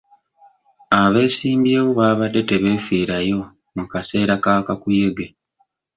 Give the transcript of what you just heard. Abeesimbyewo baabadde tebeefiirayo mu kaseera ka kakuyege.